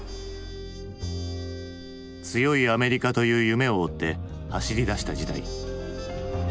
強いアメリカという夢を追って走り出した時代。